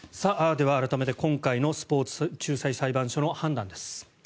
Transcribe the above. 改めて今回のスポーツ仲裁裁判所の判断です。